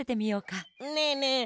ねえねえ。